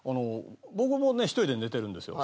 僕もね１人で寝てるんですよ。